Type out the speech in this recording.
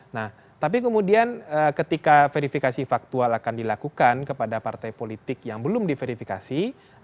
nah tapi kemudian ketika verifikasi faktual akan dilakukan kepada partai politik yang belum diverifikasi